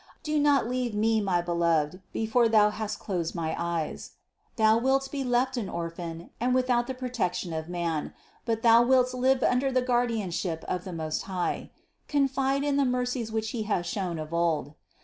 Do not leave me, my Be loved, before Thou hast closed my eyes. Thou wilt be left an orphan and without the protection of man; but thou wilt live under the guardianship of the Most High ; confide in the mercies which He has shown of old.